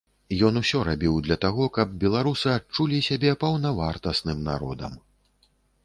Ён усё рабіў для таго, каб беларусы адчулі сябе паўнавартасным народам.